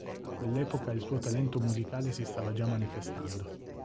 A quell'epoca il suo talento musicale si stava già manifestando.